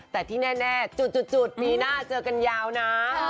แต่ที่แน่จุดปีหน้าเจอกันยาวนะ